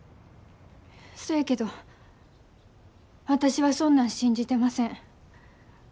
そやけど私はそんなん信じてません。